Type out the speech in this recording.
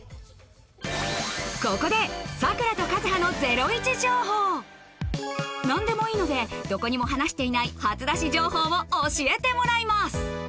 ここでＳＡＫＵＲＡとＫＡＺＵＨＡの何でもいいのでどこにも話していない初出し情報を教えてもらいます